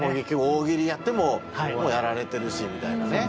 大喜利やってももうやられてるしみたいなね。